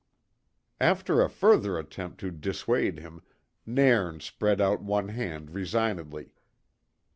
After a further attempt to dissuade him, Nairn spread out one hand resignedly.